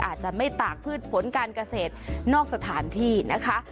อาจจะไม่ตากพืชผลการเกษตรนอกสถานที่นะคะ